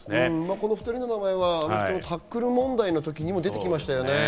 この２人の名前はタックル問題のときにも出てきましたね。